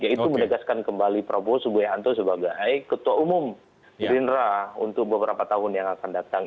yaitu menegaskan kembali prabowo subianto sebagai ketua umum gerindra untuk beberapa tahun yang akan datang